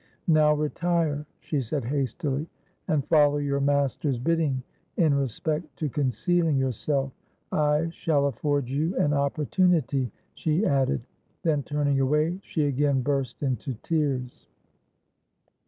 'Now retire,' she said hastily; 'and follow your master's bidding in respect to concealing yourself. I shall afford you an opportunity,' she added: then, turning away, she again burst into tears.